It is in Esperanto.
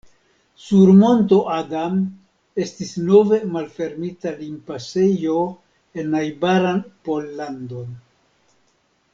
Sur monto Adam estis nove malfermita limpasejo en najbaran Pollandon.